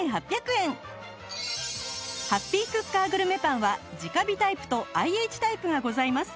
ハッピークッカーグルメパンは直火タイプと ＩＨ タイプがございます